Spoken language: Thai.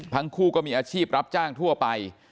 ทั้งคู่ก็มีอาชีพรับจ้างทั่วไป